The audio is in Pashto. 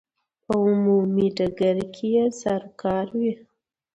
په عمومي ډګر کې یې سروکار وي.